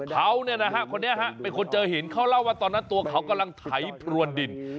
เขาคนนี้เป็นคนเจอหินเขาเล่าว่าตอนนั้นตัวเขากำลังไถพรวนดิน